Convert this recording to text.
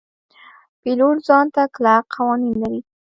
پیلوټ ځان ته کلک قوانین لري.